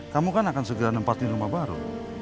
kamu kan akan segera nempatin rumah baru